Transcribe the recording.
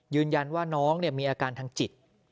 ยืนยันว่าน้องมีอาการทางจิต